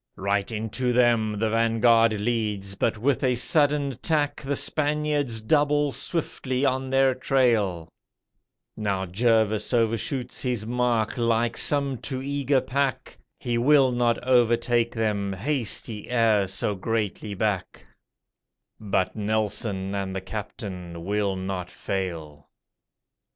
Right into them the 'Vanguard' leads, but with a sudden tack The Spaniards double swiftly on their trail; Now Jervis overshoots his mark, like some too eager pack, He will not overtake them, haste he e'er so greatly back, But Nelson and the 'Captain' will not fail.